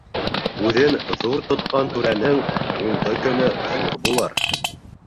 Үҙен ҙур тотҡан түрәнең һуңғы көнө хур булыр.